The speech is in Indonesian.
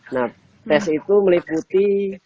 nah tes itu meliputi